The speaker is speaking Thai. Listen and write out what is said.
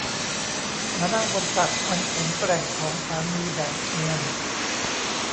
มานั่งบนตักอันแข็งแกร่งของสามีแบบเนียน